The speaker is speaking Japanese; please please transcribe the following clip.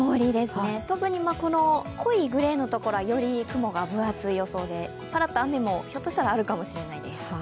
特に濃いグレーのところはより雲が分厚い予想で、パラッと雨もひょっとしたらあるかもしれないです。